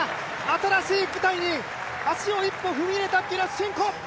新しい舞台に足を一歩踏み入れたゲラシュチェンコ。